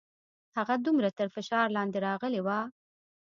هغه دومره تر فشار لاندې راغلې وه.